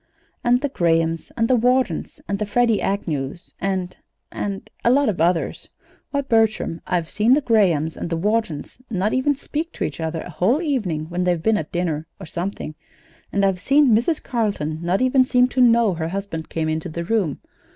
"And the Grahams and Whartons, and the Freddie Agnews, and and a lot of others. Why, Bertram, I've seen the Grahams and the Whartons not even speak to each other a whole evening, when they've been at a dinner, or something; and I've seen Mrs. Carleton not even seem to know her husband came into the room.